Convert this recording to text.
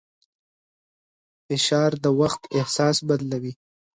فشار د وخت احساس بدلوي.